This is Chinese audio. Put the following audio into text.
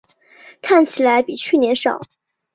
看起来比去年少